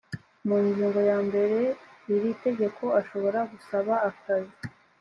mu ngingo ya mbere y iri tegeko ashobora gusaba akazi